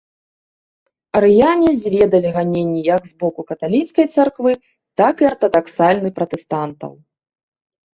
Арыяне зведалі ганенні як з боку каталіцкай царквы, так і артадаксальны пратэстантаў.